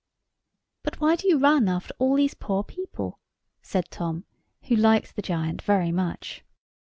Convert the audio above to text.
"But why do you run after all these poor people?" said Tom, who liked the giant very much.